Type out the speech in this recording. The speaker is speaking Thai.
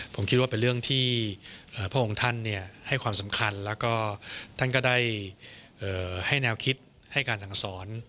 ผมคิดว่าเป็นเรื่องที่พระองค์ท่านให้ความสำคัญแล้วก็ท่านก็ได้ให้แนวคิดให้การสั่งสอน